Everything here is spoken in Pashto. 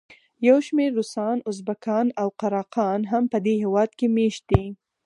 یو شمېر روسان، ازبکان او قراقان هم په دې هېواد کې مېشت دي.